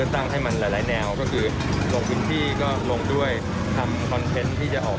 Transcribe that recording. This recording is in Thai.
ตั้งให้มันหลายแนวก็คือลงพื้นที่ก็ลงด้วยทำคอนเทนต์ที่จะออก